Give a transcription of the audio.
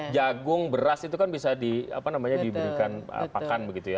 jagung beras itu kan bisa di apa namanya diberikan pakan begitu ya